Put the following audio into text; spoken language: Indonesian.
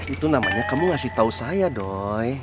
itu namanya kamu ngasih tahu saya dong